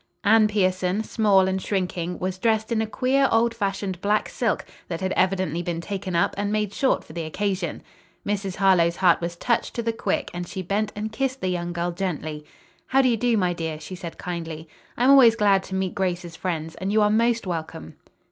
Anne Pierson, small and shrinking, was dressed in a queer, old fashioned black silk that had evidently been taken up and made short for the occasion. Mrs. Harlowe's heart was touched to the quick and she bent and kissed the young girl gently. "How do you do, my dear?" she said kindly. "I am always glad to meet Grace's friends, and you are most welcome."